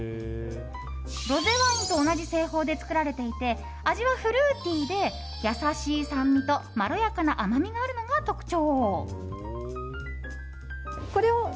ロゼワインと同じ製法で作られていて味はフルーティーで優しい酸味とまろやかな甘みがあるのが特徴。